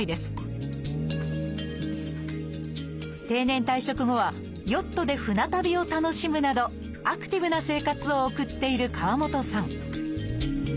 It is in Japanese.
定年退職後はヨットで船旅を楽しむなどアクティブな生活を送っている河本さん。